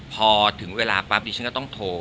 พอถึงเวลาฉันก็ต้องโทร